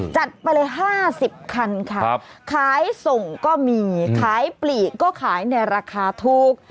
จัดไปเลย๕๐คันค่ะขายส่งก็มีขายปลีกก็ขายในราคาถูก